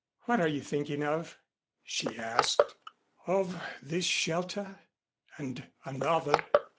"What are you thinking of?" she asked. "Of this shelter and another."